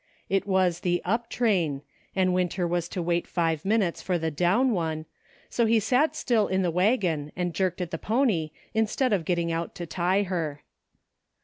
It was the " up " train, and Winter was to wait five minutes for the " down " one ; so he sat still in the wagon and jerked at the pony, instead of getting out to tie her.